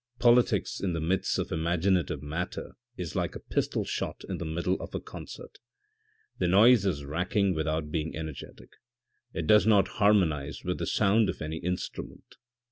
Politics in the midst of imaginative matter is like a pistol shot in the middle of a concert. The noise is racking without being energetic. It does not harmonise with the sound of any instrument.